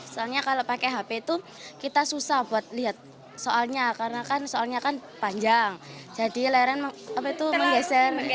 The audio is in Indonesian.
sehingga kemudian siswa menginstal aplikasi usbn bks